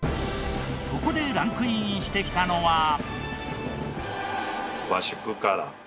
ここでランクインしてきたのは。